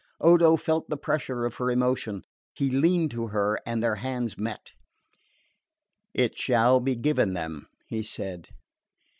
Odo felt the pressure of her emotion. He leaned to her and their hands met. "It shall be given them," he said.